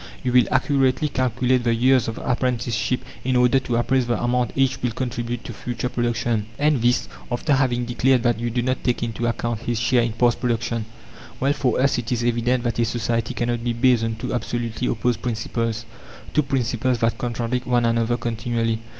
You will accurately calculate the years of apprenticeship in order to appraise the amount each will contribute to future production. And this after having declared that you do not take into account his share in past production." Well, for us it is evident that a society cannot be based on two absolutely opposed principles, two principles that contradict one another continually.